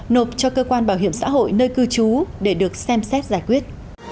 nộp cho cơ quan bảo hiểm xã hội nơi cư trú để được xem xét giải quyết